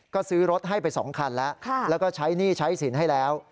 ก็ซื้อรถให้ไป๒คันแล้วแล้วก็ใช้หนี้ใช้สินให้แล้ว